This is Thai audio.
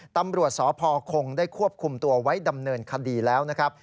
ตำรวจสพคงได้ควบคุมตัวไว้ดำเนินคดีแล้วนะครับ